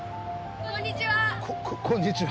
こんにちは。